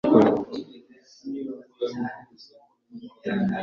Nta kintu dushobora gukora?